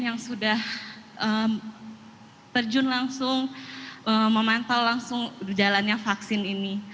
yang sudah terjun langsung memantau langsung jalannya vaksin ini